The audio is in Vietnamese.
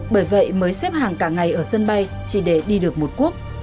bởi vậy mới xếp hàng cả ngày ở sân bay chỉ để đi được một quốc